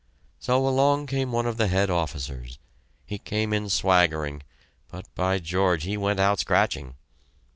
So along came one of the head officers. He came in swaggering, but, by George, he went out scratching!